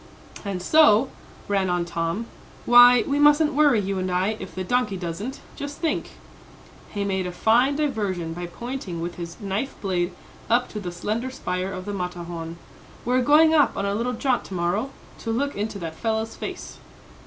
"And so," ran on Tom, "why, we mustn't worry, you and I, if the donkey doesn't. Just think," he made a fine diversion by pointing with his knife blade up to the slender spire of the Matterhorn "we're going up on a little jaunt to morrow, to look into that fellow's face."